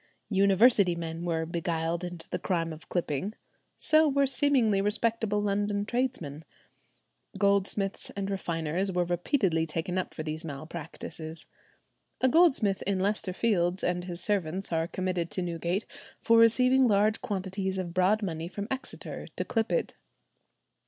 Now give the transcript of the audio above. University men were beguiled into the crime of clipping; so were seemingly respectable London tradesmen. Goldsmiths and refiners were repeatedly taken up for these malpractices. A goldsmith in Leicester Fields and his servants are committed to Newgate for receiving large quantities of broad money from Exeter to clip it.